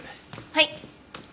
はい。